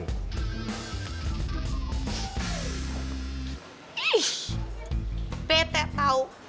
ih bete tau